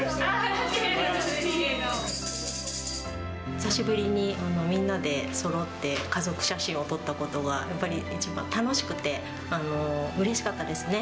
久しぶりにみんなでそろって家族写真を撮ったことが、やっぱり一番、楽しくてうれしかったですね。